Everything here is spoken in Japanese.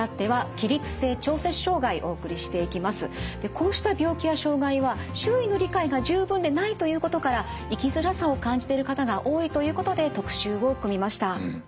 こうした病気や障害は周囲の理解が十分でないということから生きづらさを感じている方が多いということで特集を組みました。